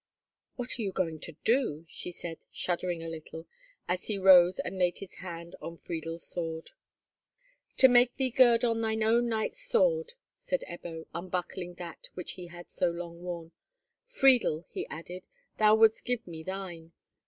"What are you going to do?" she said, shuddering a little, as he rose and laid his hand on Friedel's sword. "To make thee gird on thine own knight's sword," said Ebbo, unbuckling that which he had so long worn. "Friedel," he added, "thou wouldst give me thine.